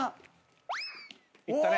・「いったね」